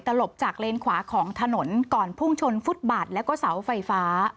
หลบจากเลนขวาของถนนก่อนพุ่งชนฟุตบาทแล้วก็เสาไฟฟ้า